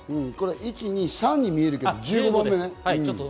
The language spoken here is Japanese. １、２、３に見えるけど１５番目ね。